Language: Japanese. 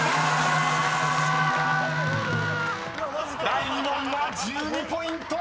［第２問は１２ポイント］